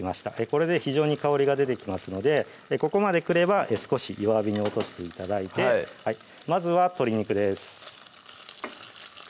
これで非常に香りが出てきますのでここまで来れば少し弱火に落として頂いてまずは鶏肉です